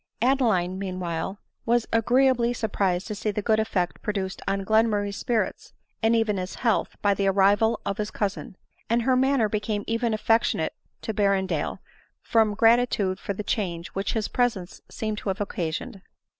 Adeline, meanwhile, was .agreeably surprised to see the good effect produced on Glenmurray's spirits, and even his health, by the arrival of his cousin ; and her manner becanie even affectionate to Berrendale, from gratitude for the change which his presence seemed to have occasioned.